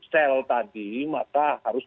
sel tadi maka harus